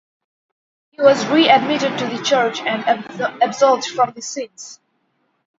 He was readmitted to the church and absolved from his sins.